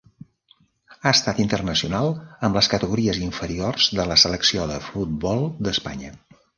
Ha estat internacional amb les categories inferiors de la selecció de futbol d'Espanya.